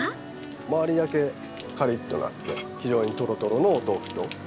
周りだけカリッとなって非常にとろとろのお豆腐と。